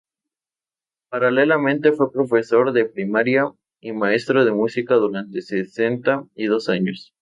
Paralelamente fue profesor de primaria y maestro de música durante sesenta y dos años.